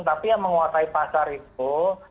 tapi yang menguasai pasar itu